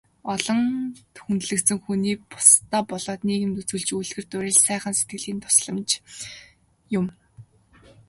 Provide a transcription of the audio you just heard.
Олонд хүндлэгдсэн хүний бусдадаа болоод нийгэмд үзүүлж буй үлгэр дуурайл, сайхан сэтгэлийн тусламж юм.